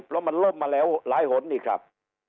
เพราะมันล่มมาแล้วหลายหนนี่ครับ